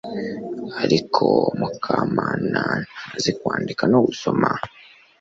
ariko mukamana ntazi kwandika no gusoma